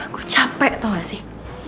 aku capek tau gak sih